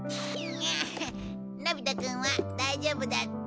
のび太くんは大丈夫だった？